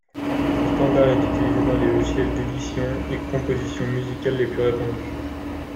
Ce standard est utilisé dans les logiciels d'édition et composition musicales les plus répandus.